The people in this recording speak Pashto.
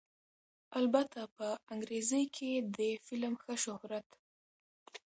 البته په انګرېزۍ کښې دې فلم ښۀ شهرت